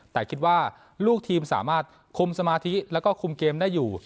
แต่คิดว่าลูกทีมสามารถคุมสมาธิแล้วก็คุมเกมได้อยู่